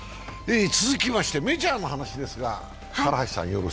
続きましてメジャーの話です。